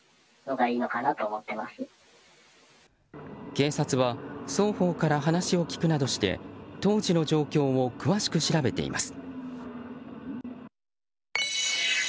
警察は双方から話を聞くなどして当時の状況を詳しく調べています。